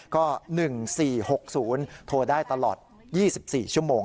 ก็๑๔๖๐โทรได้ตลอด๒๔ชั่วโมง